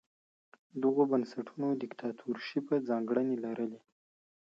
دغو بنسټونو دیکتاتورشیپه ځانګړنې لرلې.